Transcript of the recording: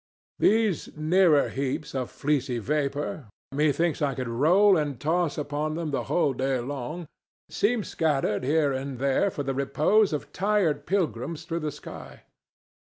These nearer heaps of fleecy vapor—methinks I could roll and toss upon them the whole day long—seem scattered here and there for the repose of tired pilgrims through the sky.